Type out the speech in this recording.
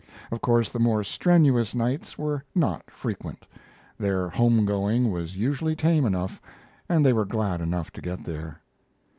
Of course, the more strenuous nights were not frequent. Their home going was usually tame enough and they were glad enough to get there.